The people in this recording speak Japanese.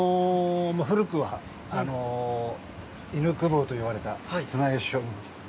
古くは犬公奉と呼ばれた綱吉将軍。